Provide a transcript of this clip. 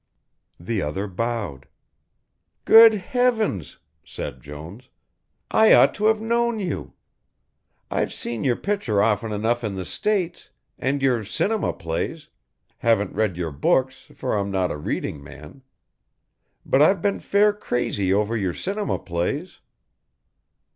The other bowed. "Good heavens," said Jones, "I ought to have known you. I've seen your picture often enough in the States, and your cinema plays haven't read your books, for I'm not a reading man but I've been fair crazy over your cinema plays."